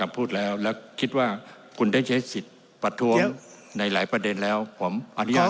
รับเสียงส่วนใหญ่ของสะพาน